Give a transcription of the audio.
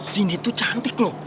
cindy tuh cantik loh